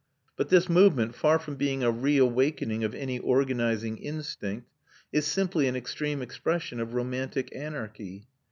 But this movement, far from being a reawakening of any organising instinct, is simply an extreme expression of romantic anarchy.